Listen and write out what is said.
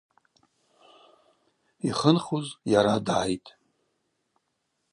Йхынхуз йара дгӏайтӏ.